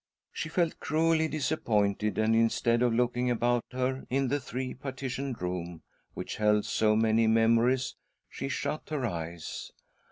She felt cruelly disappointed, and, instead of looking about her in the three partitioned room which held so many memories, she shut her eyes.